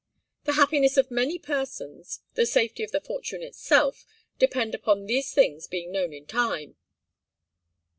The happiness of many persons, the safety of the fortune itself, depend upon these things being known in time."